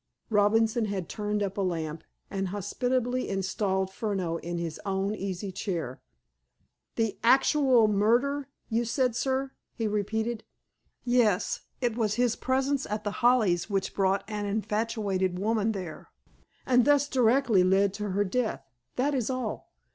Robinson had turned up a lamp, and hospitably installed Furneaux in his own easy chair. "The 'actual murder,' you said, sir?" he repeated. "Yes. It was his presence at The Hollies which brought an infatuated woman there, and thus directly led to her death. That is all.